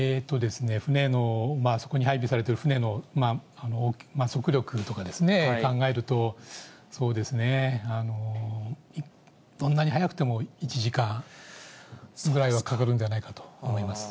船の、そこに配備されている船の速力とかを考えると、そうですね、どんなに速くても、１時間ぐらいはかかるんではないかと思います。